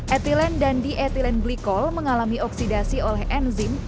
etilen dan dietilen glikol mengalami oksidasi oleh enzim